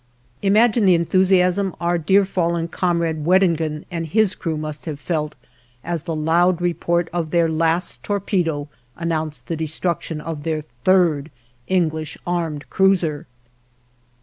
Imagine the enthusiasm our dear fallen comrade, Weddingen, and his crew must have felt as the loud report of their last torpedo announced the destruction of their third English armed cruiser!